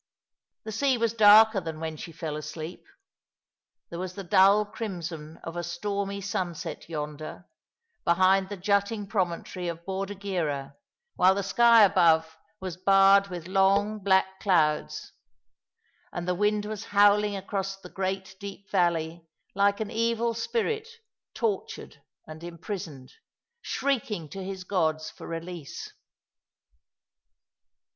The sea was darker than when she fell asleep. There was the dull crimson of a stormy sunset yonder, behind the jutting promontory of Bordighera, while the sky above was 244 ^^^ along the River, barred with long, black clouds, and the wind was howling across the great deep Talley like an evil spirit tortured and imprisoned, shrieking to his go(Js for release.